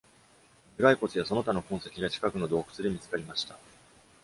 頭蓋骨やその他の痕跡が近くの洞窟で見つかりました。